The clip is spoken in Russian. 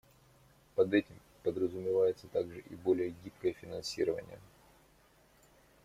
Под этим подразумевается также и более гибкое финансирование.